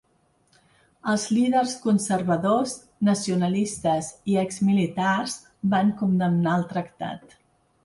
Els líders conservadors, nacionalistes i ex-militars van condemnar el tractat.